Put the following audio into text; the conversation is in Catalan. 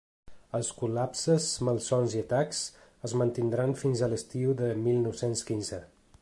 Els col·lapses, malsons i atacs es mantindran fins a l’estiu de mil nou-cents quinze.